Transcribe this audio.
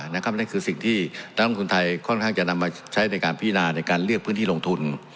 นั่นคือสิ่งที่นักลงทุนไทยค่อนข้างจะนำมาใช้ในการพินาในการเลือกพื้นที่ลงทุน